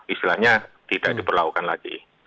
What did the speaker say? istilahnya tidak diperlakukan lagi